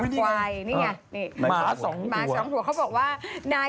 ในแถวอาร์เจนติน่า